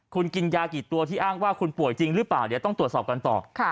คุณกินยากี่ตัวที่อ้างว่าคุณป่วยจริงหรือเปล่าเดี๋ยวต้องตรวจสอบกันต่อ